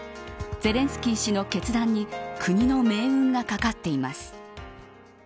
ゼレンスキー氏の決断に国の命運がかかっています。